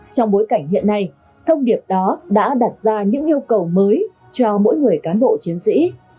trong bối cảnh hiện nay thông điệp đó đã đặt ra những yêu cầu mới cho mỗi người cán bộ chiến sĩ